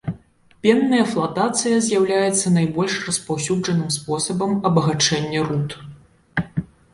Пенная флатацыя з'яўляецца найбольш распаўсюджаным спосабам абагачэння руд.